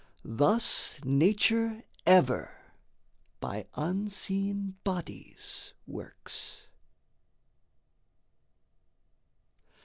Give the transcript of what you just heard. Thus Nature ever by unseen bodies works.